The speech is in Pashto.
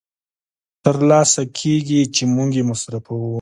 تر لاسه کېږي چې موږ یې مصرفوو